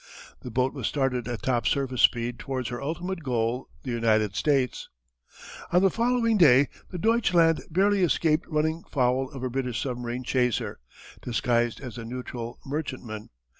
The boat was started at top surface speed towards her ultimate goal, the United States. On the following day the Deutschland barely escaped running foul of a British submarine chaser, disguised as a neutral merchantman.